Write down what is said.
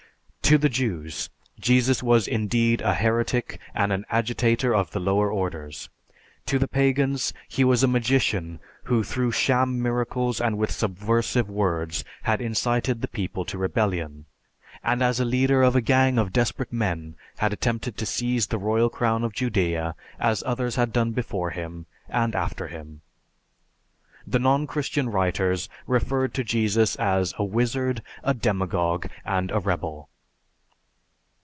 To the Jews, Jesus was indeed a heretic and an agitator of the lower orders; to the pagans, he was a magician who through sham miracles and with subversive words had incited the people to rebellion, and as a leader of a gang of desperate men had attempted to seize the royal crown of Judæa, as others had done before and after him. The non Christian writers referred to Jesus as a wizard, a demagogue, and a rebel.